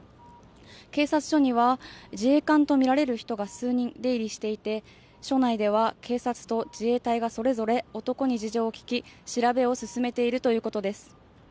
警察署には自衛官と見られる人が数人、出入りしていて、署内では警察と自衛隊がそれぞれ男に事情を聴き、調べを進めているということです。